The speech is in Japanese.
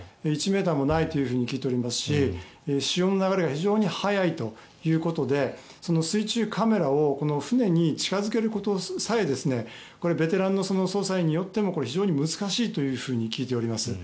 １ｍもないと聞いておりますし潮の流れが非常に速いということで水中カメラを船に近付けることさえベテランの捜査員によってもこれは非常に難しいというふうに聞いております。